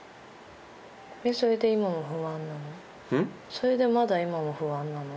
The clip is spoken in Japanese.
それでまだ今も不安なの？